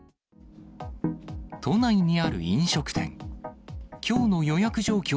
都内にある飲食店。